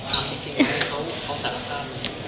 ถามจริงไงเขาสารภาพไหม